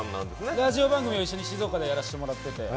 ラジオ番組を一緒に静岡でやらせてもらっていて。